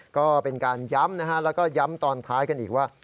ก็เป็นการย้ำนะฮะแล้วก็ย้ำตอนท้ายกันอีกว่า